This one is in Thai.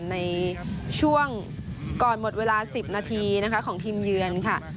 ในช่วงก่อนหมดเวลา๑๐นาทีนะคะของทีมเยือนค่ะ